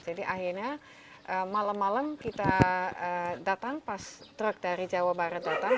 jadi akhirnya malam malam kita datang pas truk dari jawa barat datang